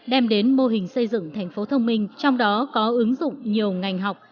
đem đến mô hình xây dựng thành phố thông minh trong đó có ứng dụng nhiều ngành học